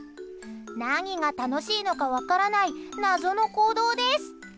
何が楽しいのか分からない謎の行動です。